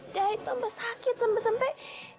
dari tambah sakit sampai sampai